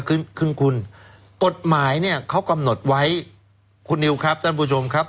ขึ้นขึ้นคุณกฎหมายเนี่ยเขากำหนดไว้คุณนิวครับท่านผู้ชมครับ